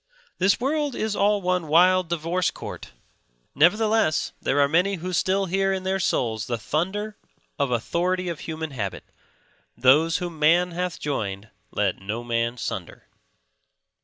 This world is all one wild divorce court; nevertheless, there are many who still hear in their souls the thunder of authority of human habit; those whom Man hath joined let no man sunder.